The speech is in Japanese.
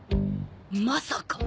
まさか。